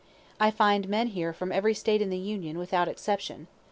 I find men here from every State in the Union, without exception.